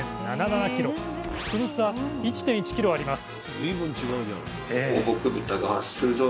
その差１．１ｋｇあります